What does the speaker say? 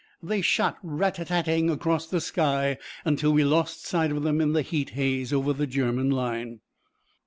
They shot rat tat tatting across the sky until we lost sight of them in the heat haze over the German line.